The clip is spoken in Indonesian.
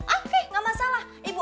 oke ga masalah ibu